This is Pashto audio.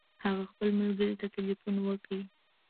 هغه خپل ملګري ته تلیفون وکړ.